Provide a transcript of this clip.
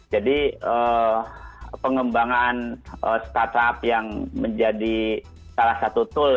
jadi pengembangan startup yang menjadi salah satu tool